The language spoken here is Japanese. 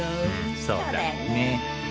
そうだよね。